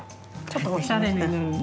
ちょっとおしゃれになるよね。